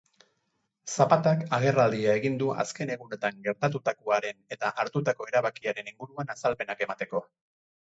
Zapatak agerraldia egin du azken egunotan gertatutakoaren eta hartutako erabakiaren inguruan azalpenak emateko.